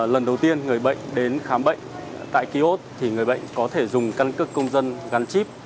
lần đầu tiên người bệnh đến khám bệnh tại ký ốt thì người bệnh có thể dùng căn cước công dân gắn chip